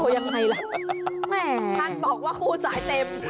ท่านบอกว่าคู่สายเต็ม